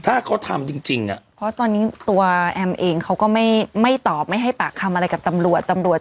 ถ้าเขาทำจริงจริงอ่ะเพราะตอนนี้ตัวแอมเองเขาก็ไม่ไม่ตอบไม่ให้ปากคำอะไรกับตำรวจตำรวจ